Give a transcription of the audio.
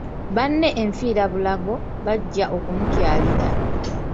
Banne enfiirabulago, bajja okumukyalira.